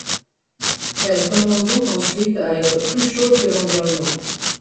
Elle commence donc ensuite à être plus chaude que l'environnement.